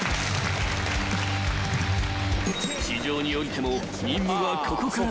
［地上に降りても任務はここから］